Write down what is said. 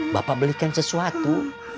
bapak belikan sesuatu